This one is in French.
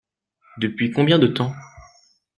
Depuis combien de temps ?